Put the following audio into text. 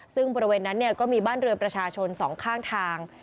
ซึ่งบริเวณนั้นก็มีบ้านเรือนประชาชนสองข้างทาง